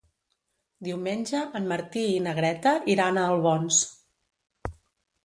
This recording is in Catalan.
Diumenge en Martí i na Greta iran a Albons.